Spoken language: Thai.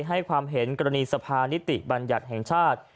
ให้ความเห็นกรณีสภานิติบัญญัติแห่งชาติ